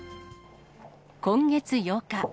今月８日。